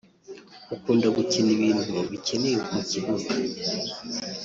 ukunda gukina ibintu bikenewe mu kibuga